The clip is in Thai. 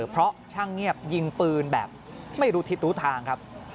เพราะช่างเงียบยิงปืนแบบไม่รู้ทิศรู้ทางครับ